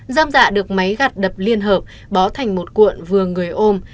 dâm dạ được máy gặt đập liên hợp bó thành một cuộn vừa người ôm